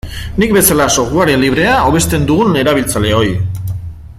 Nik bezala software librea hobesten dugun erabiltzaileoi.